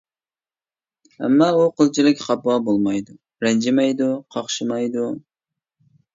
ئەمما ئۇ قىلچىلىك خاپا بولمايدۇ، رەنجىمەيدۇ، قاقشىمايدۇ.